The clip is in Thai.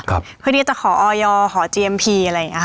ครับเพื่อที่จะขอออยอร์ขอเจียมพีอะไรอย่างเงี้ย